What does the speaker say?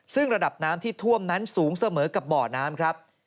ซึ่งระดับน้ำที่ท่วมนั้นสูงเสมอกับบ่อน้ำครับ